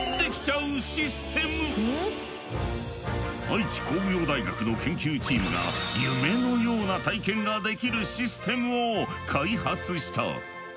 愛知工業大学の研究チームが夢のような体験ができるシステムを開発した。